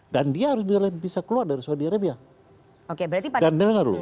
dan dia harus bisa keluar dari saudi arabia